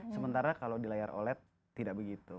sementara kalau di layar oled tidak begitu